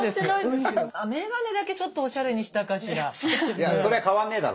眼鏡だけちょっとおしゃれにしたかしら。